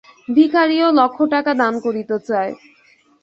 ভিখারীও লক্ষ টাকা দান করিতে চায়।